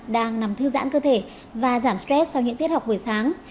đang nằm thư giãn cơ thể và giảm stress sau những tiết học buổi sáng